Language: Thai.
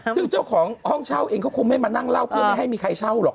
ซึ่งเจ้าของห้องเช่าเองเขาคงไม่มานั่งเล่าเพื่อไม่ให้มีใครเช่าหรอก